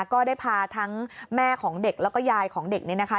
ก็ได้พาทั้งแม่ของเด็กแล้วก็ยายของเด็กนี่นะคะ